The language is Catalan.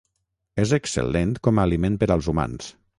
És excel·lent com a aliment per als humans.